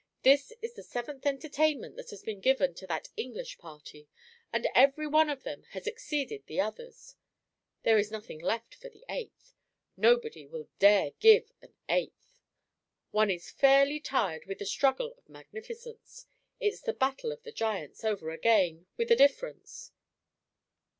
This is the seventh entertainment that has been given to that English party; and every one of them has exceeded the others. There is nothing left for the eighth. Nobody will dare give an eighth. One is fairly tired with the struggle of magnificence. It's the battle of the giants over again, with a difference."